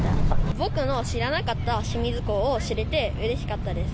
僕の知らなかった清水港を知れてうれしかったです。